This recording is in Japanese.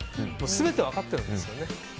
全て分かってるんですよね。